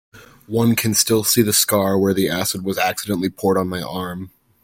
One can still see the scar where the acid was accidentally poured on my arm.